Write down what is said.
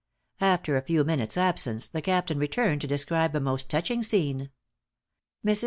After a few minutes' absence the captain returned to describe a most touching scene. Mrs.